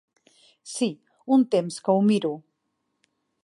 Sí, un temps que ho miro.